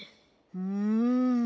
うん。